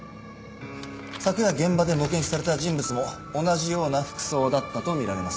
昨夜現場で目撃された人物も同じような服装だったとみられます。